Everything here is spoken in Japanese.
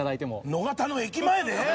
野方の駅前で？